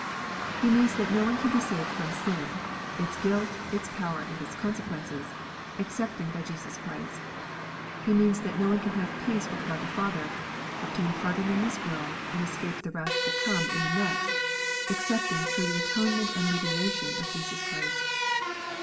He means that no one can be saved from sin, its guilt, its power, and its consequences, excepting by Jesus Christ. He means that no one can have peace with God the Father, obtain pardon in this world, and escape wrath to come in the next, excepting through the atonement and mediation of Jesus Christ.